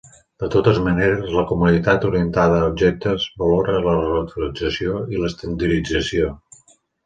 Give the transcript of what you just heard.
De totes maneres, la comunitat orientada a objectes valora la reutilització i l'estandardització.